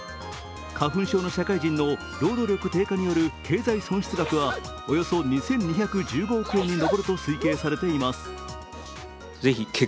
花粉症の社会人の労働力低下による経済損失額はおよそ２２１５億円に上ると推計されています。